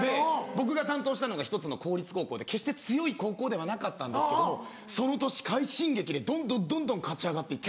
僕が担当したのが１つの公立高校で決して強い高校ではなかったんだけどもその年快進撃でどんどんどんどん勝ち上がっていって。